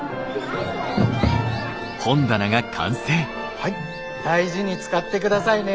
はい大事に使ってくださいね。